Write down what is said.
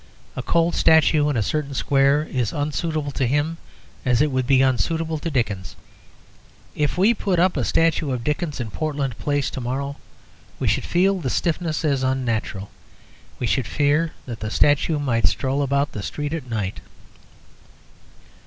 A cold statue in a certain square is unsuitable to him as it would be unsuitable to Dickens. If we put up a statue of Dickens in Portland Place to morrow we should feel the stiffness as unnatural. We should fear that the statue might stroll about the street at night.